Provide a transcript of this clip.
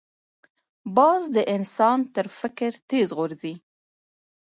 باز د انسان تر فکر تېز غورځي